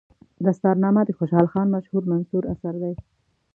دستارنامه د خوشحال خان مشهور منثور اثر دی.